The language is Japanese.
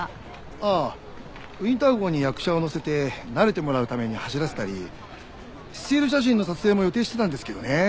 ああウィンター号に役者を乗せて慣れてもらうために走らせたりスチール写真の撮影も予定してたんですけどね。